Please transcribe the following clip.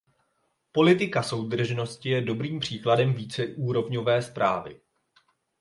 Politika soudržnosti je dobrým příkladem víceúrovňové správy.